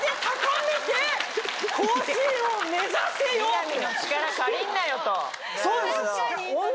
南の力借りんなよとなるほど。